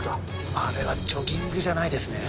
あれはジョギングじゃないですね。